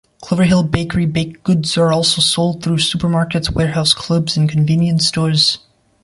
Cloverhill Bakery baked goods are also sold through supermarkets, warehouse clubs and convenience stores.